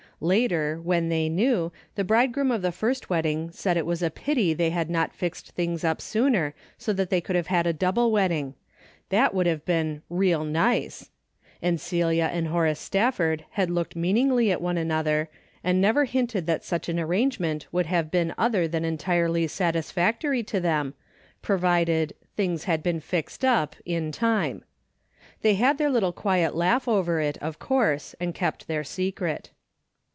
Later, Avhen they kneAv, the bridegroom of the first Avedding said it Avas a pity they had not fixed things up sooner, so they could have had a double Avedding ; that Avould have been " real nice," and Celia and Horace Stafford had looked meaningly at one another, and never hinted that such an arrangement would have been other than entirely satisfactory to them, provided " things had been fixed up " in time. They had their little quiet laugh over it, of course, and kept their secret.